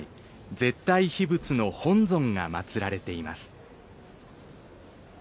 絶対秘仏の本尊が祭られています。